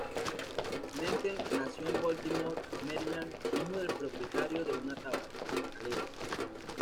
Mencken nació en Baltimore, Maryland, hijo del propietario de una tabacalera.